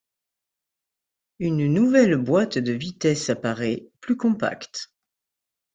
Une nouvelle boîte de vitesses apparait, plus compacte.